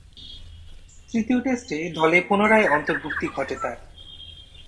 তৃতীয় টেস্টে দলে পুনরায় অন্তর্ভূক্তি ঘটে তার।